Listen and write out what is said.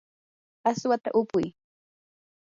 aswata upuy.